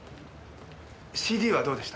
ＣＤはどうでした？